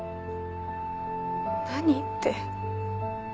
何って。